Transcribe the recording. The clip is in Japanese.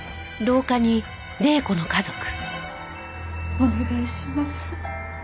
お願いします。